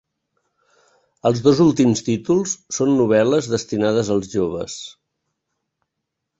Els dos últims títols són novel·les destinades als joves.